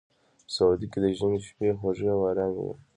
سعودي کې د ژمي شپې خوږې او ارامې وي.